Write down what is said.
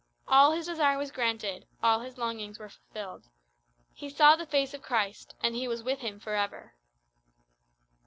All his desire was granted, all his longings were fulfilled. He saw the face of Christ, and he was with Him for ever.